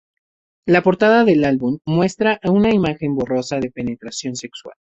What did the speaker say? La portada del álbum muestra una imagen borrosa de penetración sexual.